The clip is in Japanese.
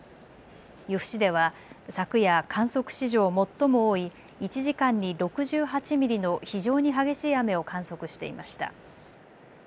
由布市では昨夜、観測史上最も多い１時間に６８ミリの非常に激しい雨を観測していました。